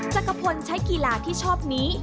จักรพลใช้กีฬาที่ชอบนี้